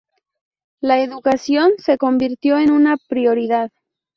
La educación se convirtió en una prioridad.